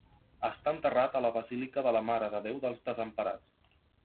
Està enterrat a la Basílica de la Mare de Déu dels Desemparats.